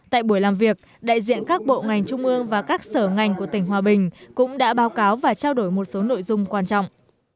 tại buổi làm việc đại diện các bộ ngành trung ương và các sở ngành của tỉnh hòa bình cũng đã báo cáo và trao đổi một số nội dung quan trọng